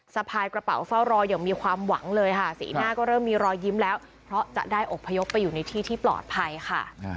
สะพายกระเป๋าเฝ้ารออย่างมีความหวังเลยค่ะสีหน้าก็เริ่มมีรอยยิ้มแล้วเพราะจะได้อบพยพไปอยู่ในที่ที่ปลอดภัยค่ะ